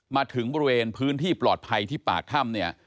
มาถึงบริเวณพื้นที่ปลอดภัยที่ปากถ้ำเนี่ย